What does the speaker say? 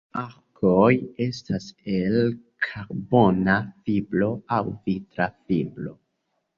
Arkoj estas el karbona fibro aŭ vitra fibro.